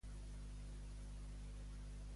És molt desagradable això de tenir la boca adormida